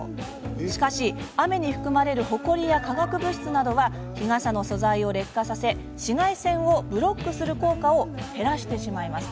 しかし、雨に含まれるほこりや化学物質などは日傘の素材を劣化させ紫外線をブロックする効果を減らしてしまいます。